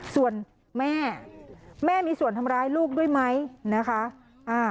ส่วนแม่แม่มีส่วนทำร้ายลูกด้วยไหมนะคะ